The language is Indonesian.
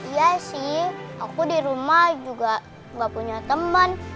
iya sih aku di rumah juga gak punya temen